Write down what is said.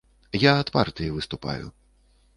Я ад партыі выступаю.